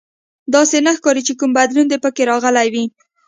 داسې نه ښکاري چې کوم بدلون دې پکې راغلی وي